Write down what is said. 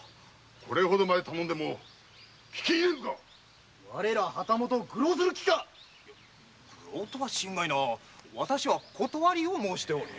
これほど頼んでも聞き入れぬか我ら旗本を愚弄する気か愚弄とは心外なわたしは理を申しておる。